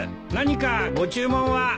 何かご注文は？